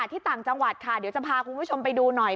ที่ต่างจังหวัดค่ะเดี๋ยวจะพาคุณผู้ชมไปดูหน่อย